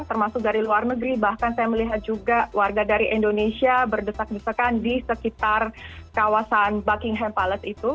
termasuk dari luar negeri bahkan saya melihat juga warga dari indonesia berdesak desakan di sekitar kawasan buckingham palace itu